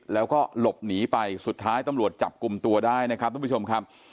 แล้วก็หลบหนีไปสุดท้ายตำรวจจับกลุ่มตัวได้นะครับ